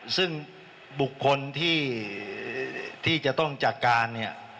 ซึ่งบุคคลที่จะต้องจัดการเนี่ย